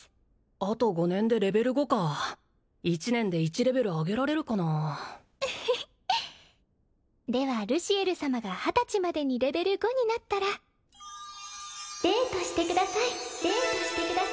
あと５年でレベル５か１年で１レベル上げられるかなウフフではルシエル様が２０歳までにレベル５になったらデートしてくださいデ！